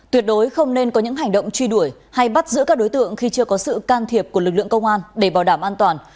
tuyệt đối không nên có những hành động truy đuổi hay bắt giữ các đối tượng khi chưa có sự can thiệp của lực lượng công an để bảo đảm an toàn